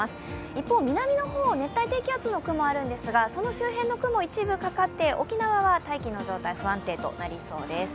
一方、南の方、熱帯低気圧の雲あるんですがその周辺の雲、一部、かかって沖縄は大気の状態が不安定となりそうです。